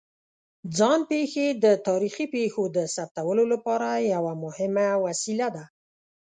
ځان پېښې د تاریخي پېښو د ثبتولو لپاره یوه مهمه وسیله ده.